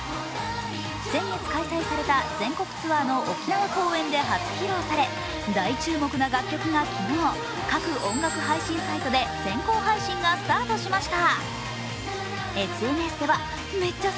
先月開催された全国ツアーの沖縄公演で初披露され大注目な楽曲が昨日、各音楽配信サイトで先行配信がスタートしました。